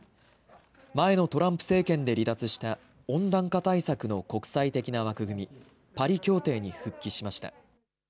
前のトランプ政権で離脱した温暖化対策の国際的な枠組み、パリ協定に復帰しました。